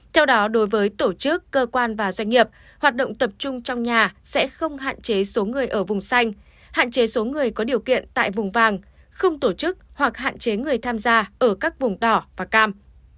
theo đó đối với tổ chức cơ quan và doanh nghiệp hoạt động tập trung trong nhà sẽ không hạn chế số người ở vùng xanh hạn chế số người có điều kiện tại vùng vàng không tổ chức hoặc hạn chế người tham gia ở các vùng đỏ và cam